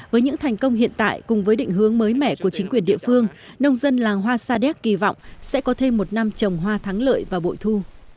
với những thành công hiện tại cùng với định hướng mới mẻ của chính quyền địa phương nông dân làng hoa sa đéc kỳ vọng sẽ có thêm một năm trồng hoa thắng lợi và bội thu